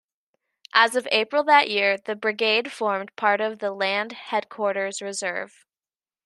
As of April that year, the brigade formed part of the Land Headquarters Reserve.